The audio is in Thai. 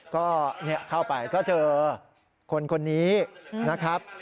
ก็เข้าไปก็เจอคนนี้นะครับ